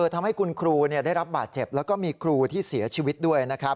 ทำให้คุณครูได้รับบาดเจ็บแล้วก็มีครูที่เสียชีวิตด้วยนะครับ